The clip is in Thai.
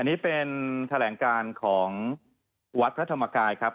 อันนี้เป็นแถลงการของวัดพระธรรมกายครับ